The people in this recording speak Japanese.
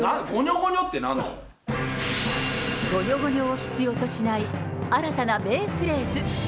ごにょごにょを必要としない、新たな名フレーズ。